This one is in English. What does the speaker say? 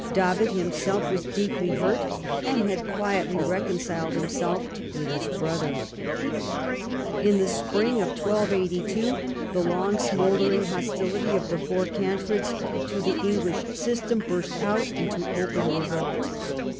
David himself was deeply hurt, and had quietly reconciled himself with his brother. In the spring of 1282 the long smouldering hostility of the Four Cantreds to the English system burst out into open revolt.